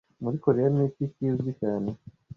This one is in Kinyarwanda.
Muri Koreya niki kizwi cyane